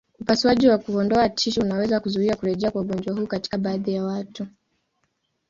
Upasuaji wa kuondoa tishu unaweza kuzuia kurejea kwa ugonjwa huu katika baadhi ya watu.